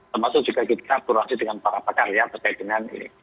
termasuk juga kita berorasi dengan para pakar ya terkait dengan ini